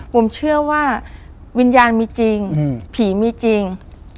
ผมเชื่อว่าวิญญาณมีจริงผีมีจริง